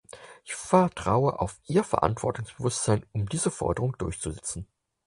Ich vertraue auf Ihr Verantwortungsbewusstsein, um diese Forderung durchzusetzen.